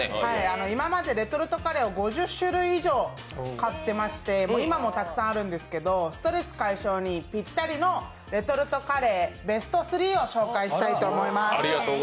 今までレトルトカレーを５０種類以上買ってまして今もたくさんあるんですけどストレス解消にぴったりのレトルトカレー、ベスト３を紹介したいと思います。